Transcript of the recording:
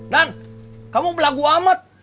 dan kamu belagu amat